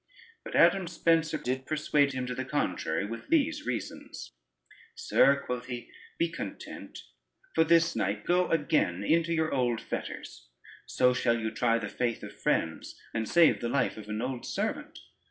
But Adam Spencer did persuade him to the contrary with these reasons: [Footnote 1: owed.] "Sir," quoth he, "be content, for this night go again into your old fetters, so shall you try the faith of friends, and save the life of an old servant.